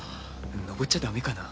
上っちゃダメかな？